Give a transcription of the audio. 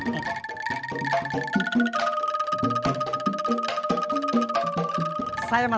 masakan yang baru